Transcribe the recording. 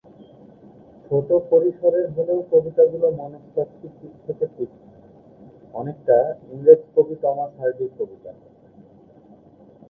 ছোট পরিসরের হলেও কবিতাগুলো মনস্তাত্ত্বিক দিক থেকে তীক্ষ্ণ, অনেকটা ইংরেজ কবি টমাস হার্ডির কবিতার মতো।